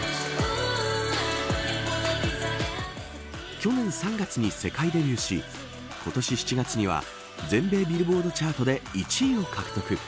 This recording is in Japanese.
去年３月に世界デビューし今年７月には全米ビルボードチャートで１位を獲得。